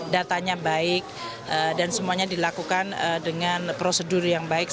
datanya baik dan semuanya dilakukan dengan prosedur yang baik